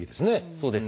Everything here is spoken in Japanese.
そうですね。